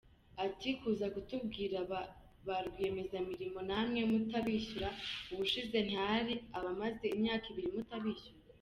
Ati “Kuza kutubwira ba rwiyemezamirimo namwe mutabishyura, ubushize ntihari abamaze imyaka ibiri mutabishyura!”.